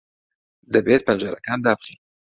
دەبێت پەنجەرەکان دابخەین.